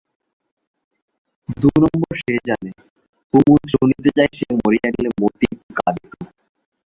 দু নম্বর সে জানে, কুমুদ শুনিতে চায় সে মরিয়া গেলে মতি একটু কাদিত।